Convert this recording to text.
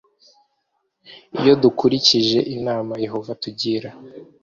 Iyo dukurikije inama yehova atugira